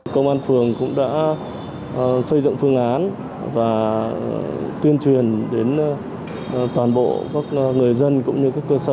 công an phường cũng đã xây dựng phương án và tuyên truyền đến toàn bộ các người dân cũng như các cơ sở